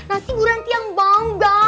nanti ibu ranti yang bangga